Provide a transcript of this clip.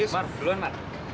ini sih namanya bukan ngedate